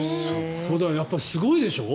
やっぱりすごいでしょ。